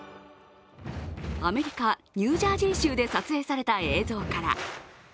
アメリカ・ニュージャージー州で撮影された映像から。